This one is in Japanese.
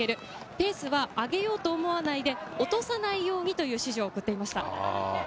ペースは上げようと思わないで、落とさないようにという指示を送っていました。